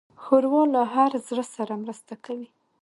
ښوروا له هر زړه سره مرسته کوي.